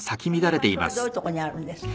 この場所はどういうとこにあるんですか？